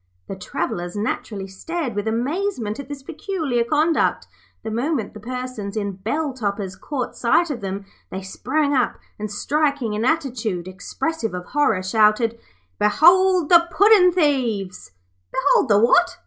The travellers naturally stared with amazement at this peculiar conduct. The moment the persons in bell toppers caught sight of them they sprang up, and striking an attitude expressive of horror, shouted: 'Behold the puddin' thieves!' 'Behold the what?'